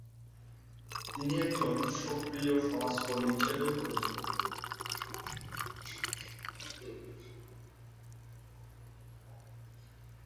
তিনি একজন সক্রিয় সমাজকর্মী হিসেবেও পরিচিত।